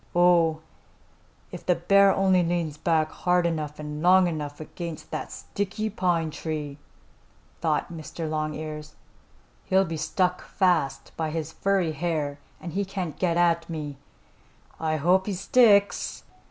"Oh, if the bear only leans back hard enough and long enough against that sticky pine tree," thought Mr. Longears, "he'll be stuck fast by his furry hair and he can't get me. I hope he sticks!"